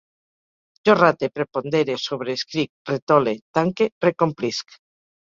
Jo rate, prepondere, sobreescric, retole, tanque, recomplisc